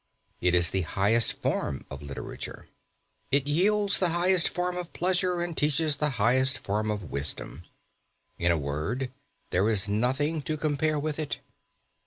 It is the highest form of literature. It yields the highest form of pleasure, and teaches the highest form of wisdom. In a word, there is nothing to compare with it.